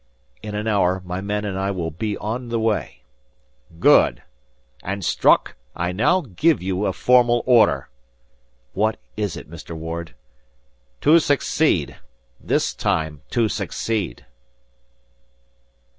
"In an hour, my men and I will be on the way." "Good! And, Strock, I now give you a formal order." "What is it, Mr. Ward?" "To succeed! This time to succeed!"